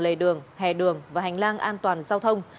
lề đường hè đường và hành lang an toàn giao thông